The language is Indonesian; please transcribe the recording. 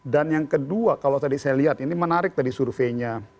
dan yang kedua kalau tadi saya lihat ini menarik tadi surveinya